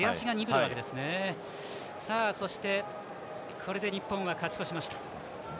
これで日本勝ち越しました。